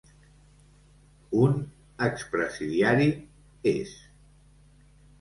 Un expresidiari, és.